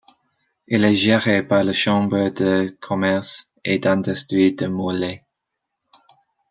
Il est géré par la Chambre de commerce et d'industrie de Morlaix.